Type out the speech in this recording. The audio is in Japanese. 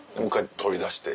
取り返して？